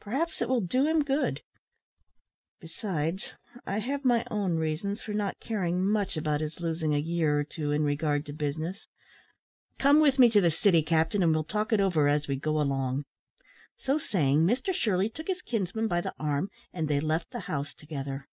Perhaps it will do him good. Besides, I have my own reasons for not caring much about his losing a year or two in regard to business. Come with me to the city, captain, and we'll talk over it as we go along." So saying, Mr Shirley took his kinsman by the arm, and they left the house together.